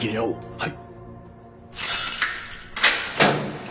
はい！